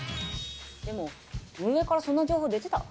でも運営からそんな情報出てた？